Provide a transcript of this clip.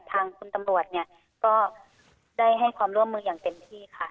ทางคุณตำรวจเนี่ยก็ได้ให้ความร่วมมืออย่างเต็มที่ค่ะ